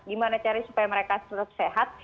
gimana cara supaya mereka tetap sehat